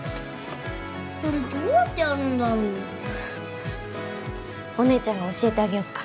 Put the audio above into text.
これどうやってやるんだろうお姉ちゃんが教えてあげよっか？